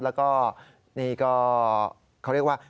แล้วก็นี่ก็เขาเรียกว่า